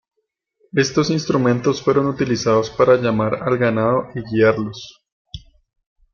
Estos instrumentos fueron utilizados para llamar al ganado y guiarlos.